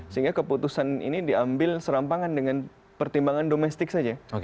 sehingga keputusan ini diambil serampangan dengan pertimbangan domestik saja